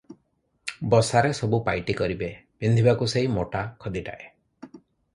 ବସାରେ ସବୁ ପାଇଟି କରିବେ, ପନ୍ଧିବାକୁ ସେଇ ମୋଟା ଖଦିଟାଏ ।